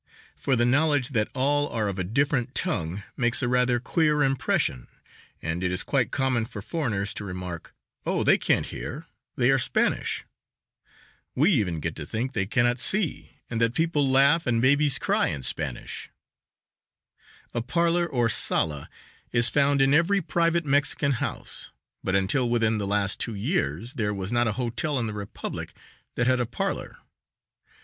For the knowledge that all are of a different tongue makes a rather queer impression and it is quite common for foreigners to remark: "Oh, they can't hear, they are Spanish." We even get to think they cannot see and that people laugh and babies cry "in Spanish." A parlor, or sala, is found in every private Mexican house, but until within the last two years there was not a hotel in the Republic that had a parlor.